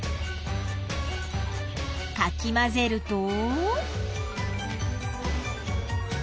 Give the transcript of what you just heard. かきまぜると。